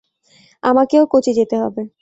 আমাকেও কোচি যেতে হবে।